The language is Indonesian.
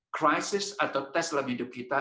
krisis atau tes dalam hidup kita